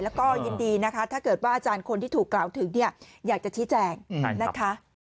แล้วก็ยินดีนะคะถ้าเกิดว่าอาจารย์คนที่ถูกกล่าวถึงเนี่ยอยากจะชี้แจงนะคะ